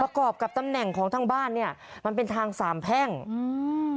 กรอบกับตำแหน่งของทางบ้านเนี้ยมันเป็นทางสามแพ่งอืม